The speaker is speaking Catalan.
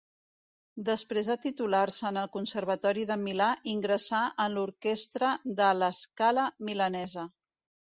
Després de titular-se en el Conservatori de Milà ingressà en l'orquestra de La Scala milanesa.